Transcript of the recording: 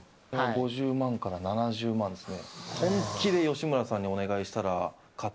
５０万から７０万ですね。